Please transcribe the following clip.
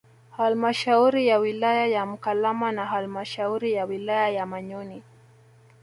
Halmashauri ya wilaya ya Mkalama na halmashauri ya wilaya ya Manyoni